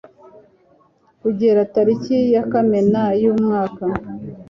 kugera tariki ya kamena y umwaka